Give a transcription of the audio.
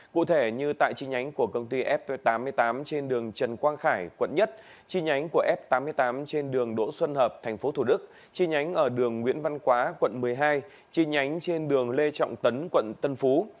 cụ thể như tại chi nhánh của công ty f tám mươi tám trên đường trần quang khải quận một chi nhánh của f tám mươi tám trên đường đỗ xuân hợp tp thủ đức chi nhánh ở đường nguyễn văn quá quận một mươi hai chi nhánh trên đường lê trọng tấn quận tân phú